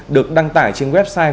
được đăng tải trên website